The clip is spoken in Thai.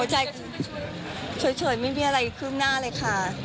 หัวใจเฉยไม่มีอะไรขึ้นหน้าเลยค่ะ